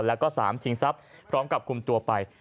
แล้วก็๓ชิงทรัพย์พร้อมกับคุมตัวไป